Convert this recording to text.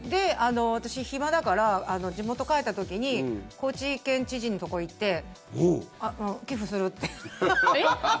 私、暇だから地元帰った時に高知県知事のところに行って寄付するっていう。